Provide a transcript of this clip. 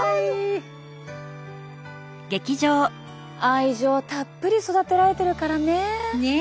愛情たっぷり育てられてるからねえ。